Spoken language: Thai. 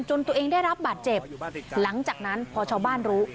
ตัวเองได้รับบาดเจ็บหลังจากนั้นพอชาวบ้านรู้